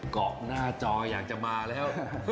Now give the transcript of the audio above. เกาะหน้าจออยากจะมาแล้ว